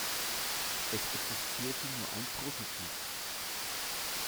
Es existierte nur ein Prototyp.